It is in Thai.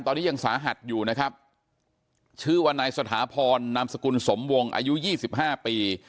ตอนนี้ยังสาหัสอยู่นะครับชื่อว่านายสถาพรนามสกุลสมวงอายุยี่สิบห้าปี